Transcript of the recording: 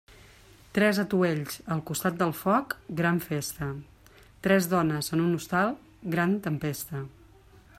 Tres atuells al costat del foc, gran festa; tres dones en un hostal, gran tempesta.